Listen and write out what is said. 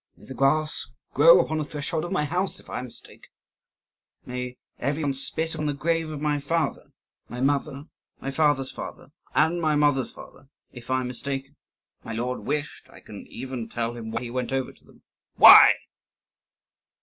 "May the grass grow upon the threshold of my house if I am mistaken! May every one spit upon the grave of my father, my mother, my father's father, and my mother's father, if I am mistaken! If my lord wished I can even tell him why he went over to them." "Why?"